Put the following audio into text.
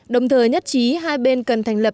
đồng thời nhất trí hai bên cần thành lập